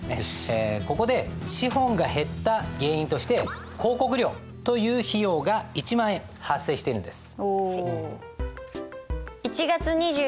ここで資本が減った原因として広告料という費用が１万円発生しているんです。